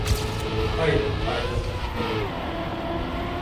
Hayır, ayrıldım!